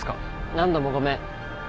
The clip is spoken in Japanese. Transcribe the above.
何度もごめん。